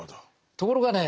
ところがね